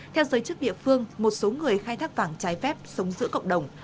theo giới chức địa phương một số người khai thác vàng trái phép sống giữa cộng đồng